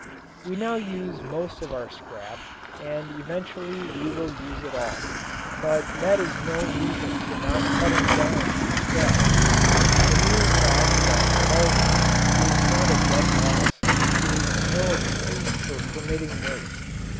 We use most of our scrap and eventually we will use it all, but that is no reason for not cutting down on scrap the mere fact that all waste is not a dead loss is no excuse for permitting waste.